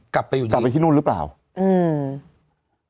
กลับไปอยู่ที่นี่กลับไปที่นู้นรึเปล่าอืม